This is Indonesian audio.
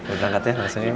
udah angkat ya langsung ya